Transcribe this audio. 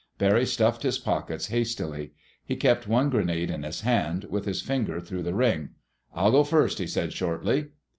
Barry stuffed his pockets hastily. He kept one grenade in his hand, with his finger through the ring. "I'll go first," he said shortly.